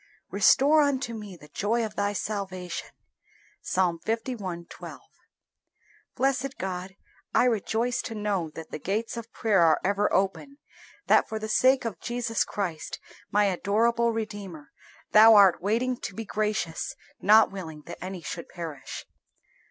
"Restore unto me the joy of Thy salvation." Ps. li. 12. Blessed God, I rejoice to know that the gates of prayer are ever open; that for the sake of Jesus Christ, my adorable Redeemer, Thou art waiting to be gracious, not willing that any should perish.